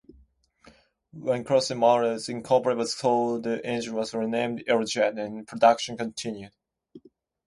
When Crosley Motors, Incorporated was sold, the engine was renamed "AeroJet" and production continued.